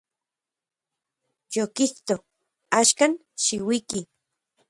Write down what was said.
Yokijto; axkan, xiuiki.